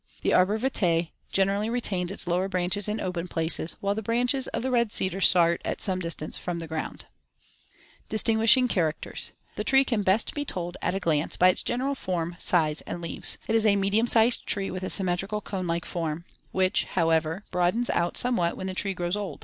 The arbor vitae generally retains its lower branches in open places, while the branches of the red cedar start at some distance from the ground. RED CEDAR (Juniperus virginiana) [Illustration: FIG. 11. The Red Cedar.] Distinguishing characters: The tree can best be told at a glance by its general form, size and leaves. It is a medium sized tree with a symmetrical, cone like form, Fig. 11, which, however, broadens out somewhat when the tree grows old.